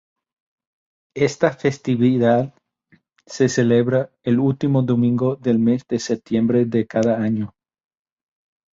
Esta festividad se celebra, el último domingo del mes de septiembre de cada año.